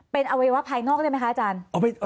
เป็นอวัยวะภายนอกได้ไหมคะอาจารย์